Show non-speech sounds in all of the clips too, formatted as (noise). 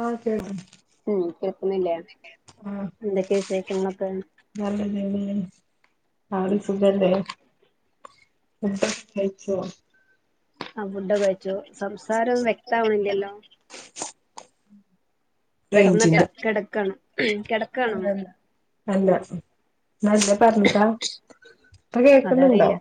ആഹ് കേൾക്കാം ഉം കേൾക്കുന്നില്ലേ? ആഹ് എന്തൊക്കെ വിശേഷങ്ങളൊക്കെ? നല്ലതന്നെ ആടെ സുഖല്ലേ. ഫുഡെക് കഴിച്ചോ? ആഹ് ഫുഡൊക്കെ കഴിച്ചു. സംസാരം വ്യക്താവണില്ലല്ലോ. കെടന്ന്ട്ട് റേഞ്ചിന്റെ (unintelligible) അല്ല നല്ലപറഞ്ഞിട്ടാ അതറിയില്ല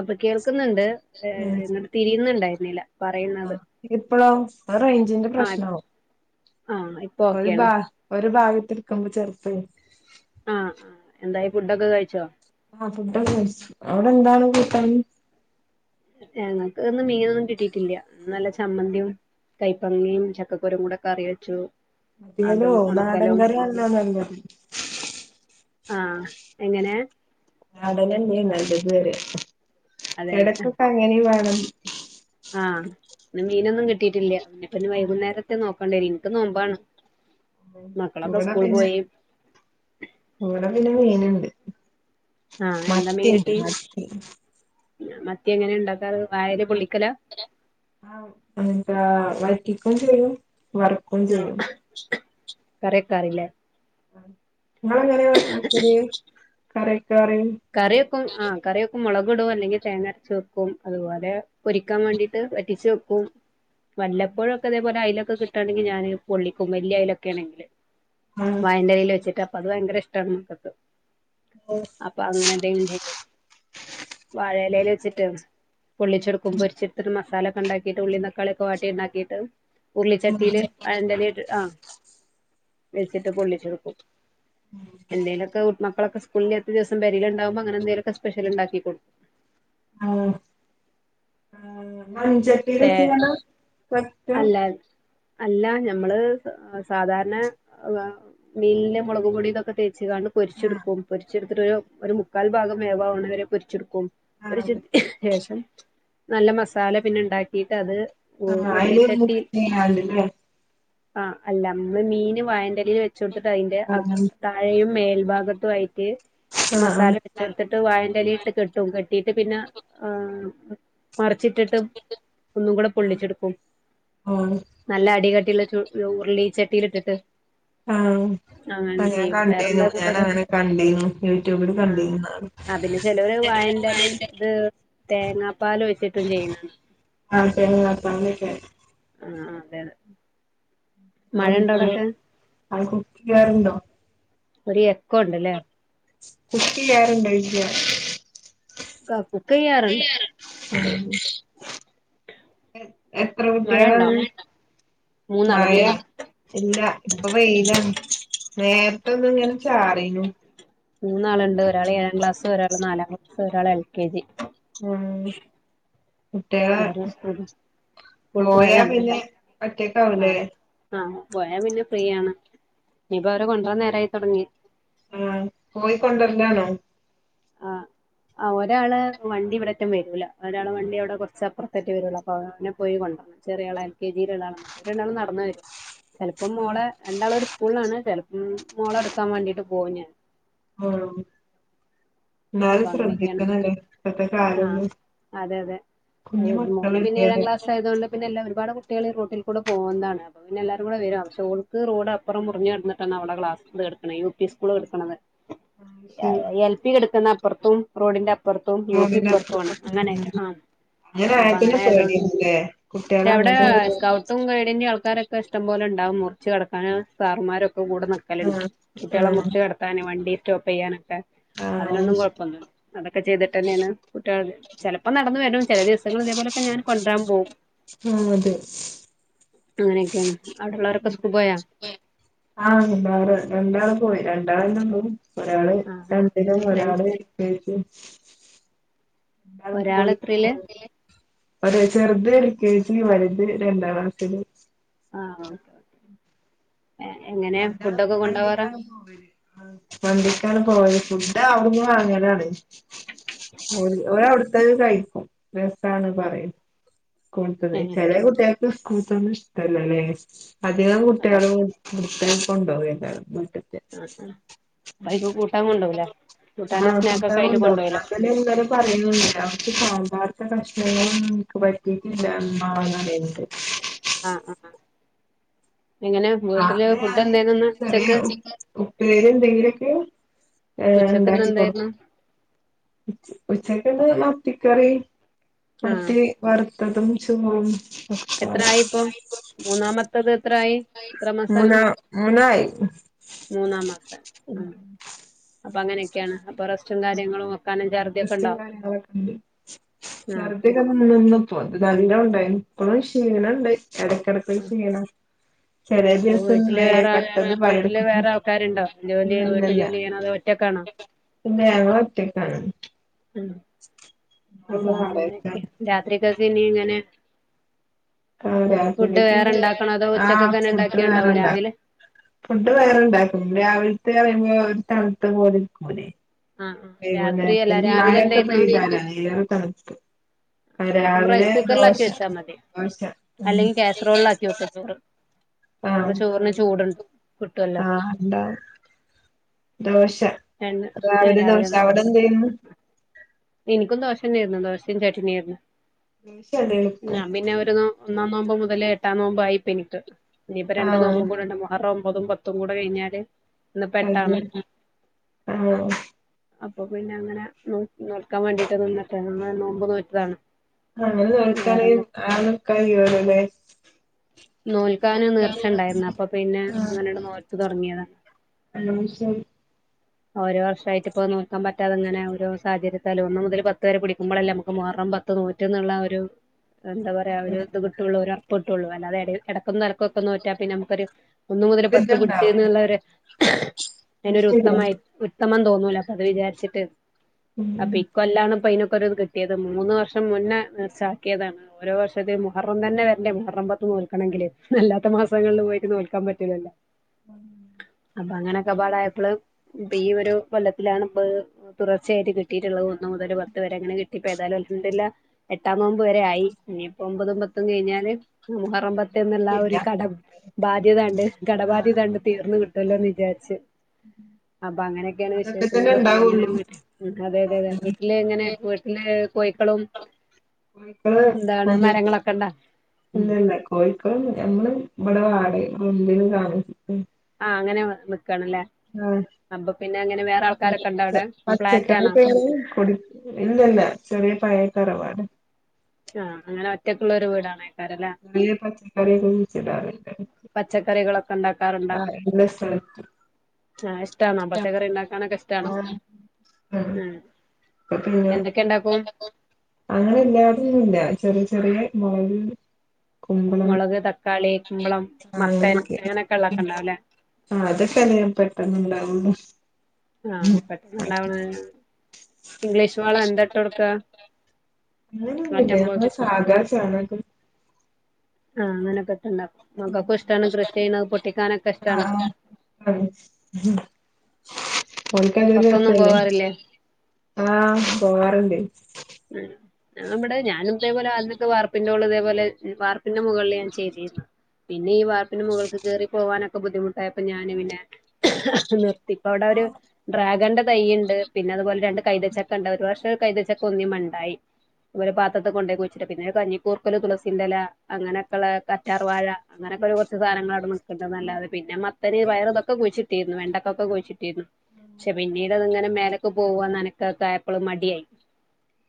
അപ്പ കേൾക്കുന്നുണ്ട് ഏ എന്നിട്ട് തിരിന്ന്ണ്ടായ് ആഹ് ഇപ്പളോ ആ റൈഞ്ചിന്റെ ആ പ്രശ്നാവും. ആ ഇപ്പൊ ഒരു ഭാ ഓക്കെയാണ് ഒരു ഭാഗത്ത്‌ ഇടു ക്കുമ്പോൾ (unintelligible) ആഹ് ആഹ് എന്തായി ഫുഡൊക്കെ കഴിച്ചോ? ആ ഫുഡ് ഒക്കെ കഴിച്ചു. അവിടെ എന്താണ് കൂട്ടാന്? ഞങ്ങക്ക് ഒന്നും മീനൊന്നും കിട്ടിയിട്ടില്ല നല്ല ചമ്മന്തിം കൈപ്പങ്ങിംചക്കകുരും കൂടെ കറി വെച്ചു യലോ അതും ഉണക്കലും നാടൻകറിയാണ്ന്നാ നല്ലത്. ആഹ് എങ്ങനെ? നാടനെന്നെ നല്ലത് അറിയ അതെ എടക്കൊക്കെ അങ്ങനിം വേണം. ആ ഇന്ന് മീനൊന്നും കിട്ടിയിട്ടില്ല. ഇഞ്ഞ്പ്പോ ആഹ് വൈകുന്നേരത്തെ നോക്കണ്ടീരും. ഇൻക്ക് നോമ്പാണ്. മക്കളൊക്കെ വടെ സ്കൂൾ പിന്നെ പോയി ഇവടെ പിന്നെ മീന്ണ്ട്. ആഹ് എന്താ മീൻ മത്തിണ്ട് കിട്ടി മത്തി. മത്തി എങ്ങനെ ഇണ്ടാക്കാറ് വായേല് പൊള്ളിക്കലാ (unintelligible) റ്റിക്കും ചെയ്യും വറക്കും ചെയ്യും. കറിയെക്കാറില്ലേ? ഇങ്ങള് എങ്ങനെ കറി വെക്കല് കറി കറിവെക്കും ആ കറിവെക്കും മൊളകിടും അല്ലെങ്കി തേങ്ങരച്ച് വെക്കും അതുപോലെ പൊരിക്കാൻ വേണ്ടിട്ട് വറ്റിച്ച് വെക്കും വല്ലപ്പോഴൊക്കെ ഇതേപോലെ അയ്ല ഇപ്പകിട്ടാണെങ്കിൽ ഞാൻ പൊളളിക്കും വല്ല്യ അയ്ലൊക്കെ ആണെങ്കില് ആ വയലന്റെലെല് വച്ചിട്ട് അത് ഭയങ്കര ഇഷ്ടാണ് മക്കക്ക് അപ്പ അങ്ങനെ എന്തെലും ചെയ്യോ വാഴലല് വെച്ച്ട്ട്പൊള്ളിച്ചെടുക്കുമ്പോ പൊരിച്ചെടുത്ത്മസാല ഉണ്ടാക്കിയിട്ട് ഉള്ളി തക്കാളി ഓക്കെ വാട്ടി ഉണ്ടാക്കിയിട്ട് ഉർളിച്ചട്ടിയില് വാഴന്റെല ഇട്ട് ആ വെച്ചിട്ട് പൊള്ളിച്ചെടുക്കും എന്തേലൊക്കെ കു മക്കളൊക്കെസ്കൂളില്ലാത്ത ദിവസം പെരീല്ഉണ്ടാകുമ്പോഅങ്ങനെന്തെങ്കിലും സ്പെഷ്യല് ഉണ്ടാക്കി കൊടുക്കും ആഹ് ആഹ് തേ മൺചട്ടീലിട്ട്ങ്ങാണ്ടാ വെക്ക അല്ല അല്ല ഞമ്മള് സാധാരണ മീനില് മുളക്പൊട (unintelligible) ച്ച്ങ്ങാണ്ട് ആ പൊരിച്ച്ട്ക്കും പൊരിച്ചെടുത്തിട്ട് ഒരു മുക്കാൽ ഭാഗം വേവാവണവരെ പൊരിച്ചെടുക്കും ക്കും ആ ഒരു (unintelligible) ശേഷം നല്ല മസാല പിന്നെ ണ്ടാക്കിട്ട് അത് ആഹ് അയ്ല് മുക്കിങ്ങാണ്ട്ലെ ആ അല്ല മ്മള് മീൻ വാഴ ന്റെലേല് വെ ച്ച് കൊടുത്തിട്ട് അയ്ന്റെ ആ മനസ്സിലായി താഴെയും മേൽഭാഗത്തും ആയ്ട്ട് ആ മസാല വെച്ചെടുത്തിട്ട് വാഴന്റെലേലിട്ട് കെട്ടും കെട്ടിട്ട് പിന്നെ ആഹ് മറിച്ചിട്ടിട്ടും ഒന്നും കൂടെ ആ പൊള്ളിച്ചെടുക്കും ആ നല്ല അടികട്ടിയുള്ള ചു ഉർളിച തീരിട്ടിട്ട് ആഹ ആ ഞാൻ കണ്ടിനൂ വേറെന്താ ഞാൻ കൂട്ടാൻ അങ്ങനെ കണ്ടിനൂ യൂട്യൂബില് കണ്ടിുന്നാണ് ന്റെലയിൽ ഇത് തേങ്ങാപ്പാൽ വെച്ചിട്ടും ചെയ്യണ ആഹ ശരി തന്നിട്ട ആ അതെതെ അ അത് കുക്കിക്കാറുണ്ടോ ഒരു എക്ക ഉണ്ട്ല്ലേ കുട്ടി ആരുണ്ടായില്ല ക കുക്ക ചെയ്യാറുണ്ട് എ എത്ര മഴ കുട്ടികള ഉണ്ടോ മൂന്നാള് മഴ മൂന്നാള് ഇല്ല ഇപ്പൊ വെയില അതൊന്നും ഇങ്ങനെ ചാരിനോ മൂന്നാളുണ്ട് ഒരാൾ ഏഴാം ക്ലാസ്സസ് ഒരാൾ നാലാം ക്ലാസ് ഒരാൾ എൽ കെ ജി ആഹ മട്ടേ വേറെ സ്കൂൾ സ്കൂൾ പോയാ പോയതാണ് പിന്നെ എല്ലാരും ഒറ്റക്ക ആാവല്ലേ ആഹ് ആഹ് പോയാ പിന്നെ ഫ്രീയാണ് ഇനിപ്പ അവരെ കൊണ്ടുവ നേരായി തുൊടങ്ങി ആഹ് പോയി കൊണ്ടരലാണോ ആഹ ആ ഒരാള് വണ്ടി ഇവിടറ്റും വരൂല ഒരാള് വണ്ടി അവിടെ കുറച്ചപ്പുറത്തേട്ട വരുള്ളൂ അപ്പൊ അനെ പോയി കൊണ്ട ചെറിയള എൽ കെ ജിയിൽ രണ്ടാളറ്റ രാൾ നടന്ന വരും ചെിലപ്പോം ആഹ് മോളെ രണ്ടാളൊ ഒരു സ്കൂളാണ് ചിലപ്പം മോള എടുക്കാൻ വേണ്ടീട്ട് പോയി ഞൻ ആഹ എന്നാലും അപ്പൊ അങ്ങനെയൊക്കെയാണ് ശ്രദ്ധിക്കുന്നല്ലേ ഇത്തെ കാലന്ന് അത മോന് പിന്ന ഏഴാം ക്ലാസ്സ ആതുക കൊണ്ട് പിന്നെല്ല ഒരുപാട് കുട്ടികൾ റൂട്ടിൽ കൂ പോകതാണ് അപ്പോൾ പിന്നെല്ലാവരും വക പക്ഷേ റോഡ്പ്പറ മുറിഞ്ഞിട്ടാണ് അവടെ ക്ലാസ് എടുക്കുന്നത് യു പി സ്കൂൾ എടുക്കുന്നത് ആഹ് ശരി എൽ പി കിടുക്കുന്ന അപ്പുറത്തും റോഡിന്റെപ്പ ഇപ്പുറത്തും യു പി ഇപ്പുറത്തും ആണ് അങ്ങനെയായിട്ട് ആ അങ്ങനെ ആയ അപ്പൊ പിന്നെ അങ്ങനെയതണ്ട് പേടിയാണ്ല്ലേ പക്ഷെ കുട്ടികളെ അവിടെ അങ്ങോട്ടും ഇങ്ങോട്ടും സ്കൗട്ടും ഗൈഡിന്റെറെയും ആൾക്കാരൊക്കെ ഇഷ്ടംപലെ ഉണ്ട് മുറിച്ചു കടക്കാൻ സാർമാരൊക്കെ കൂടെ നിക്കലുണ്ട് കുട്ടികള ആഹ് മുറച്ച് കടക്കാൻ വണ്ടി സ്റ്റോപ്പ് ചെയ്യാനൊക്കെ ആഹ് ആഹ് അതിനൊന്നും ശരി. കുഴപ്പൊന്നുമില്ല അതൊക്കെ ചെയ്തിട്ട് തന്നെയാണ് കുട്ടികൾ ചിലപ്പോ നടന്ന വരും ചില ദിവസങ്ങള ഇതേപോലോക്കെ ഞാന് കൊണ്ടരാൻ പോവും ആഹ അതെ അങ്ങനെയൊക്കെയാണ് അവിടെള്ളവരൊക്കെ സ്കൂൾ പോയാ ആ രണ്ടാള് പോയി രണ്ടാളള്ളോ ഒരാള് ആഹ് രണ്ടില എത്രയിൽ ഒരാള് കേജി മ് എന്ത ഒരാള് പോയി എത്രയില് ചെറുത കേി വരത് രണ്ടാം ക്ലാസില് ആഹ ഓ അല്ലാ വണ്ടിക്കാണ് പോവത് വണ്ടിക്കാണ് പോയത് ഫുഡ് ആകുന്നു വാങ്ങലാണ് ഒടുത്തത് കഴിക്കും രസന്ന് ആഹ് പറയും കടുത്തത് ഏഹ് ചെല കുട്ടിയ സ്കൂത്തൊന്നും ഇഷ്ടല്ലല്ലേ അധികം അതെ കുട്ടികൾ അതെ കടുത്ത കൊണ്ടുപോകല്ലായി എക്കെ ബൈക്ക് കൂട്ടാ കൊണ്ടോലേ ആഹ കൂട്ടാൻ ഉണ്ടോ ഇാ തന്നെ ഇങ്ങെ പറയില്ല അവർക്ക് പ്രശ്നങ്ങളുംനിക്ക് പറ്റിട്ടില്ലന്ന്റിയ ആഹ ആഹ എങ്ങനെ വീട്ടില് അപ്പൊ ഫുഡ് ഞാന് എന്തേന്നുന്ന് ചെറിയ ഉച്ചക്ക് ഉപ്പേരി എന്തെങ്കിലൊക്കെ ഏഹ് ഉച്ചക്ക്ന്ന് എന്തായിരുന്നു ഉണ്ടാക്കിക്കൊടുക്കും ഉച്ചക്കിന്ന് മത്തിക്കറി ആഹ് മത്തി വറ്ത്തതും ചോറും ഒക്കെപ്പാടെ എത്രായിപ്പം മൂന്നാമത്തത് എത്രായി എത്ര വയസ് മാസാണ് മുന്നാ മൂന്നായി അവസ്ഥ ഉം അപ്പൊ അങ്ങനെയൊക്കെയാണ് അപ്പൊ റസ്റ്റും കാര്യങ്ങളും ഒ റസ്റ്റും കാര്യങ്ങളൊക്കെണ്ട് ആഹ് ശർദ്ധി ഒക്കെ നിന്നുപ്പോ ഇത്കാ നല്ലോണ്ടായിരുന്നു ഇപ്പളും ക്ഷീണണ്ട് എടക്കിടക്ക്‌ ഒരു ക്ഷീണ ഇപ്പൊ വീട്ടില് വേറെ പെട്ടെന്ന് വീട്ടില് പണിയെടുക്കും വേറെ ആൾക്കാരുണ്ടോ ജോലി ഇല്ല വീട്ട് ജോലി ചെയ്യണത് ഒറ്റക്ക ആ ഇല്ലേ ഞങ്ങള് ഒറ്റക്കാണ് ഉം ഞങ്ങള് അപ്പൊ അങ്ങനെയൊക്കെ വാടകക്കാണ് രാത്രിക്കക്ക് ഇനി ഇങ്ങനെ ആഹ് ഫുഡ് രാത്രിക്കക്ക് വേറെ ഇനി ഉണ്ടാക്കണോ അതോ ആഹ് ഉച്ചക്കൊക്കെന്നെ ഫുഡ് വേറെ ഉണ്ടാക്കിയണ്ടാവോ ഇണ്ടോ രാവിലെ ഫുഡ് വേറെണ്ടാക്കും രാവില്ത്തെ പറയുമ്പം ഒരു തണുത്ത പോലെ ഇര്ക്കൂലെ ആഹ് ആഹ് രാത്രി അല്ല വൈകുന്നേരത്തിന് രാവിലെ മയൊക്കെ എന്തായിരുന്നു പെയ്തല്ലേ അയ്ലാറേ തണുപ്പ് ആഹ് നമ്മ രാവിലെ റൈസ് ദോശ കുക്കറിലാക്കി വെച്ചാൽ മതി ദോശ മം അതോ ചോറിന് ചൂടുൺ ആഹ് ഇണ്ടാവും ദോശ എണ്ണ രാവിലെ ദോശ അവിടെ എന്തേനു? ഇനിക്കും ദോശന്നേര്ന്നു ദോശീം ചട്ടിനിം ആരുന്നു ദോശയാണ് എളുപ്പം ഞാം പിന്നെ അവരെ നോക്ക്ന്നൊന്നും (unintelligible) മുതലേ എട്ടാം നോമ്പ് ആയിപ്പെനിക്ക് ഇനിയിപ്പൊ രണ്ട് ആഹ് നോമ്പ്കൂടെ ഉണ്ട് മുഹറം മ്പതും പത്തും കൂടെ കഴിഞ്ഞാല് ഇന്നിപ്പോ എട്ടാണ് (unintelligible) അപ്പൊ പിന്നെ അങ്ങനെ നോ നോൽക്കാൻ വേണ്ടിട്ട് നിന്നിട്ട് അങ്ങനെ നോമ്പ് നോറ്റതാണ് അങ്ങനെ വഴക്ക് പറയും വേറെന്താ (unintelligible) ലീവൊള്ളുലെ നോൽക്കാന് നേർച്ച ഇണ്ടായിരുന്നു അപ്പൊ പിന്നെ അങ്ങനണ് നോറ്റു തുടങ്ങിയതാ അത് ശരി ഓരോ വർഷായിട്ട് ഇപ്പോ നോൽക്കാൻ പറ്റാതങ്ങനെ ഓരോ സാഹചര്യത്തിൽ ഒന്ന് മുതൽ പത്ത് വരെ പിടിക്കുമ്പളല്ലേ നമുക്ക് മുഹറം പത്ത് നോറ്റ് ന്നുള്ള ആ ഒരു എന്താ പറയാ ഒരു അതെതെ ഇത് കിട്ടൊള്ളൂ ഒരു ഒറപ്പ് കിട്ടുള്ളൂ അല്ലാതെ എടേയ് എടക്കും തലക്കൊക്കെ നോറ്റാൽ പിന്നെ നമുക്കൊരു ഒന്ന മുതൽ പത്ത് പിടിച്ച് ഒരിതുണ്ടാവൂല എന്നുള്ള ഒരു അത് ശരിയാ അയിനൊരുഉത്തമായി ഉത്തമംതോന്നൂല അപ്പൊ അത് വിചാരിച്ചിട്ട് ഉം അപ്പൊ ഇക്കൊല്ലാണ് ഇപ്പയ്നൊ ഓരോന്ന് കിട്ട്യേത് മൂന്ന് വർഷം മുന്നേ നീർച്ചാക്കിയതാണ് ഓരോ വർഷത്തി മുഹറം തന്നെ വരണ്ടേ മുഹറം പത്തും നോൽക്കണെങ്കില് അല്ലാത്ത മാസങ്ങളിൽ പോയിട്ട് നോൽക്കാൻ പറ്റൂലല്ലോ മ് അങ്ങനൊക്കെപ്പാടായപ്പള് ഇപ്പ ഈ ഒരു കൊല്ലത്തിലാണ് തുടർച്ചയായിട്ട് കിട്ടിയിട്ടുള്ളത് ഒന്നു മുതൽ പത്ത് വരെ അങ്ങനെ കിട്ടിപ്പോഏതാലും അൽഹംദുലില്ലാഹ് എട്ടാംനോമ്പ് വരെ ആയി ഇനിയിപ്പോ ഒമ്പതും പത്തും കഴിഞ്ഞാല് മുഹറംപത്ത് എന്ന്ളള ആ ഇല്ല ഒരു കടം ബാധ്യതണ്ട് ആഹ് കടബാധ്യതണ്ട് തീർന്നു കിട്ടുല്ലോന്ന് വിചാരിച്ച് അപ്പൊ അങ്ങനെയൊക്കെയാണ് അതൊക്കെ തന്നെ വിശേഷങ്ങള് എങ്ങനെയ ഉണ്ടാവുള്ളൂ വീട്ടി അതെതെതെ ആഹ് വീട്ടില് എങ്ങനെ വീട്ടില് പോയി ക്കളും കോഴിക്കള് (unintelligible) ഇല്ല ഇല്ല കോഴിക്കള് നമ്മള് ഇവിടെ വാടകക്കും (unintelligible) താമസിക്കും ആഹ് അങ്ങനെ നിക്കാണ്ല്ലേ ആഹ് ഇണ്ടോ അവിടെ ഫ്ലാറ്റ് ആണോ പച്ചക്കറിപ്പോ കൊട് ഇല്ലല്ല ചെറിയ പായ തറവാട്- ആഹ് അങ്ങനെ ഒറ്റക്കുള്ള ഒരു വീടാണേക്കാരല്ലേ പച്ചക്കറിയൊന്നും കുയിച്ചിടാറില്ലേ? പച്ചക്കറികളൊക്കെ ആഹ് ഇല്ല സർ ചായ ഇഷ്ടാണോ പച്ചക്കറി ഉണ്ടാക്കാനൊക്കെ ഇഷ്ടണോ ഉം ങ (inaudible) പിന്നെ അങ്ങനെ എല്ലാടിന്നു ഇല്ല. ചെറിയ ചെറിയ മുളക് കുമ്പളം മുളക്, തക്കാളി, കുമ്പളം, ആ മത്തൻ അങ്ങനൊക്കെ അങ്ങനെയൊക്കെ ഉള്ളതൊക്കെ ഉണ്ടാവലേ. ആ (unintelligible) പെട്ടന്നുണ്ടാവുന്നു ആ പെട്ടെന്നുണ്ടാവണ് ഇംഗ്ലീഷ് വളം എന്താ ഇട്ട് കൊടുക്ക - അങ്ങനൊന്നുല്ല്യാ ഞമ്മ സാധാ ചാണകത്തിൽ ആ അങ്ങനക്കെ തന്നെ. മക്കൾക്കും ഇഷ്ടാണ് കൃഷി ചെയ്യണത് പൊട്ടിക്കാനൊക്കെ ആ ഇഷ്ടാണ്. ആ നക്കന്നരു ദിവസല്ലേ ആഹ് പോവാറുണ്ട്. ങ ഞാവിടെ ഞാനും ഇതേപോലെ അന്നക്കെ വാർപ്പിന്റെ മോളി ഇതേപോലെ വാർപ്പിന്റെ മുകളിൽ ഞാൻ ചെയ്രി പിന്നെ ഈ വാർപ്പിന് മുകൾക്ക് കേറി പോകാനൊക്കെ ബുദ്ധിമുട്ടായപ്പോ ഞാൻ പിന്നെ നിർ ഇപ്പ അവിടെ ഒരു ഡ്രാഗന്റെ തൈ ഉണ്ട് പിന്നെ അതുപോലെ രണ്ട് കൈതച്ചക്ക ഉണ്ട് ഒരു വർഷം ഒരു കൈതച്ചക് ഒന്നി മണ്ടായി അതുപോലെ പാത്രത്തി കൊണ്ട് പോയി കുഴച്ചിട്ട് പിന്നെ കഞ്ഞിക്കൂർക്കല് തുളസീന്റെല അങ്ങനൊക്കെള്ള കറ്റാർ വഴ അങ്ങനെ ങ്ങനക്കൊരു കുറച്ച് സധനങ്ങളവിടെ നിക്കുണ്ടതല്ലാതെ പിന്നെ മത് ത്തന് പയറ് തൊക്കെ കുഴിച്ചിട്ടിരുന്നു വെണ്ടക്കൊക്കെ കുഴിച്ചിട്ടിരുന്നു പക്ഷെ പിന്നീട് അത്ങ്ങനെ മേലൊക്കെ പോവാ നനക്കക്കായപ്പഴും മടിയായി.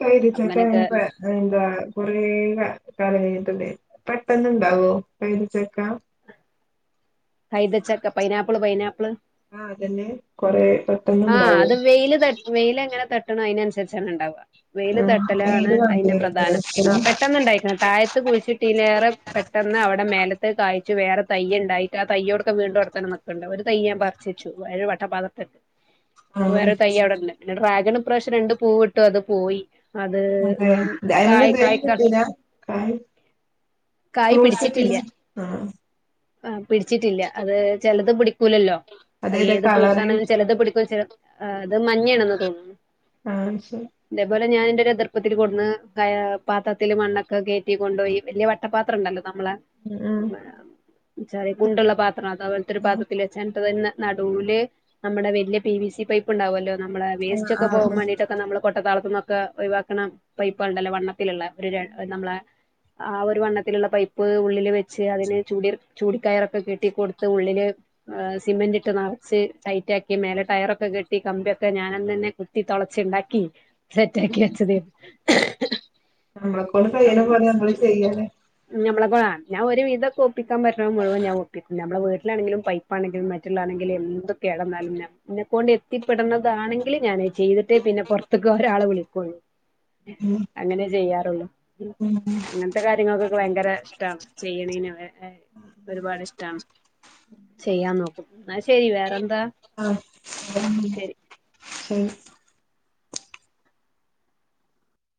കൈതച്ചക്ക അങ്ങനെയൊക്കെ തന്നിപ്പ എന്താ കൊറേ കാലായി (inaudible) പെട്ടെന്നുണ്ടാവോ കൈതച്ചക്ക കൈതച്ചക്ക പൈനാപ്പിള് പൈനാപ്പിള് ആഹ് അതന്നെ കൊറേ ആ പെട്ടെന്നുണ്ടാവോ അത് വേൽ തട്‌ വേൽ എങ്ങനെ തട്ട് ട്ടണം അതിനനുസരിച്ചാണ് ഉണ്ടാവുക. വെയില് ആഹ് തട്ടലാണ് വെയില് അതിന്റെ വേണ്ടിവരുല്ലേ പ്രധാനം ആ എപ്പളും പെട്ടെന്നുണ്ടായി താഴത്ത് കുഴിച്ചിട്ടിലേറെ പെട്ട് പെട്ടന്ന് അവിടെ മേലത്ത് കായ്ച്ചു വേറെ തൈയ്യ് ഉണ്ടായി. തയ്യോടൊക്കെ വീണ്ടു അവിടെത്തന്നെ നിക്കണ്ട് ഒരു തൈയ്യ് ഞാൻ പറിച്ചൂച്ച് ഒരു വട്ട പാത്രത്തി ഇ ആഹ് വേറൊരു തയ്യ് അവിടണ്ട് (unintelligible) ഡ്രാഗൺ ഇ പ്രശ്യം രണ്ട് പൂ വിട്ടു അത് പോയി അത് അതെ അയ്മന്ന് കായ് ഇതുവരെ കായ്ക്ക കിട്ടീല കായ് കായ് ഫ്രൂട്ട്സ് പിടിച്ചിട്ടില്ല കിട്ടീന ആഹ് ആ പിടിച് ട്ടില്ല അത് ചിലത് പിടിക്കൂലല്ലോ. അതെ അതെ ഏത് ഫ്രൂട്ട്സ് കളറിങ് ആണെങ്കിലും ചിലത് പിടിക്കു ചില് ഉത് മഞ്ഞയാണെന്ന് തോന്നുന്നു. പാൻസ് അതുപോലെ ഞാൻ എന്റെ ഒരു എതിർപ്പത്തിൽ കൊന്ന് ക അ പാത്രത്തില് മണ്ണൊക്കെ കേറ്റി കൊണ്ടുപോയി വലിയ വട്ടപാത്രംണ്ട്ല്ലോ. നമ്മള് ഉം ചെറി കുണ്ടുള്ള പാത്രം അതാപലത്തൊരു പാത്രത്തില് വച്ച് (unintelligible) നടൂല് നമ്മുടെ വലിയ പി വി സി പൈപ്പ് ഉണ്ടാവു അല്ലോ നമ്മള് വേസ്റ്റ് ഒക്കെ പോവാ ഉം വേണ്ടീട്ട് ഒക്കെ നമ്മ കൊട്ട താളത്ത് നിന്നൊക്കെ ഒഴിവാക്കണ പൈപ്പ് ഉണ്ടല്ലോ വണ്ണ ത്തിലുള്ള ഒരു ര നമ്മളെ ആ ഒരു വണ്ണത്തിലുള്ള പൈപ്പ് ഉള്ളിൽ വെച്ച് അതിനെ ചൂടിർ ചൂടി കയറൊക്കെ കെട്ടികൊടുത്ത് ഉള്ളില് അ സിമെന്റ് ഇട്ട് നിറച്ച് ടൈറ്റ് ആക്കി മേലെ ടയറൊക്കെ കെട്ടി കമ്പിയൊക്കെ ഞാനൻ തന്നെ കുത്തി തുളച്ചുണ്ടാക്കി സെറ്റാക്കി വെച്ചത്. (inaudible) നമ്മളെ കൊണ്ട് കഴിയണ പോലെ നമ്മള് ചെയ്യാലേ നമ്മളെപ്പോലാ ഞാൻ ഒരുവിധക്കൊ ഒപ്പിച്ച് ന്നക്കാൻ പറ്റുന്ന മുഴുവൻ ഞാൻ ഒപ്പിക്കും നമ്മുടെ വീട്ടിലാണങ്കിലും പൈപ്പാണെങ്കിലും മറ്റിലാണെങ്കിലും എന്ത് കേടന്നാലും ഞ ന്നെ കൊണ്ട്എത്തിപ്പെടണതാണെങ്കിലും ഞാനെ ചെയ്തിട്ടേ പിന്നെ പുറത്തേക്ക് ഒരാളെ വിളിക്കുള്ളൂ അങ്ങനേ ചെയ്യാറുള്ളു. ഉം അങ്ങനത്തെ കാര്യങ്ങൾക്കൊക്കെ ഭയങ്കര ഇഷ്ടാണ്. ഒരുപാട് ഇഷ്ടാണ് ചെയ്യാൻ നോക്കും എന്നാ ശരി വേറൊന്നും ആ (inaudible)